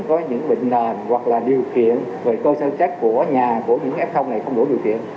có những bệnh nền hoặc là điều kiện về cơ sở chất của nhà của những f này không đủ điều kiện